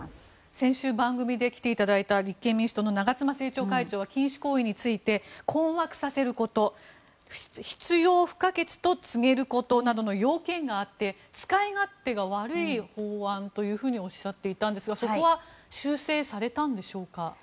先週、番組に来ていただいた立憲民主党の長妻政調会長は禁止行為について困惑させること必要不可欠と告げることなどの要件があって使い勝手が悪い法案というふうにおっしゃっていたんですがそこは修正されたんでしょうか。